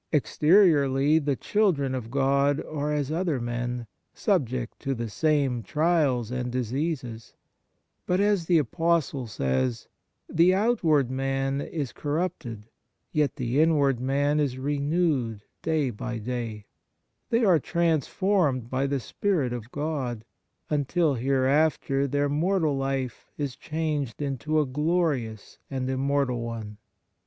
Exteriorly the children of God are as other men, subject to the same trials and diseases; but, as the Apostle says, " the outward man is cor rupted, yet the inward man is renewed day by day"; they are transformed by the Spirit of God, until hereafter their mortal life is changed into a glorious and immortal one.